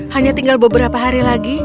hanya tinggal beberapa hari lagi